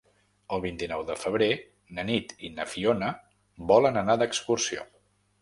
El vint-i-nou de febrer na Nit i na Fiona volen anar d'excursió.